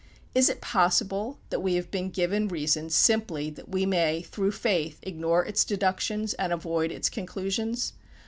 Is it possible that we have been given reason simply that we may through faith ignore its deductions, and avoid its conclusions?